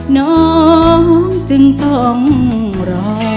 น้องจึงต้องรอ